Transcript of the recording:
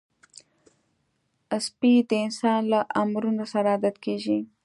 سپي د انسان له امرونو سره عادت کېږي.